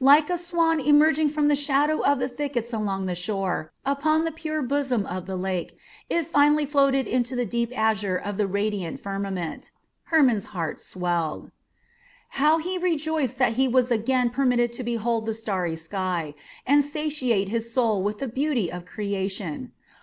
Like a swan emerging from the shadow of the thickets along the shore upon the pure bosom of the lake, it finally floated into the deep azure of the radiant firmament. Hermon's heart swelled. How he rejoiced that he was again permitted to behold the starry sky, and satiate his soul with the beauty of creation!